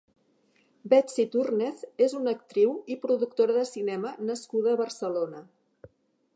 Betsy Túrnez és una actriu i productora de cinema nascuda a Barcelona.